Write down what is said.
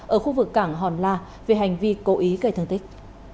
ở khu vực cảng hòn la về hành vi cố ý gây thương tích